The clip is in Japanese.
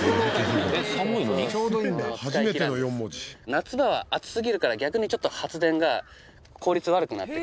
夏場は暑すぎるから逆にちょっと発電が効率悪くなってくるんですよ。